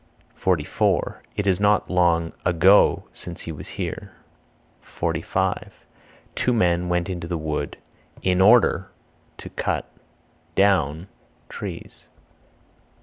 44. It is not long (ago) since he was here. 45. Two men went into the wood (in order) to cut (down) trees.